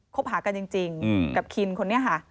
คบหากันจริงกับคินคนนี้ค่ะ